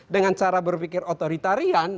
dengan cara berpikir otoritarian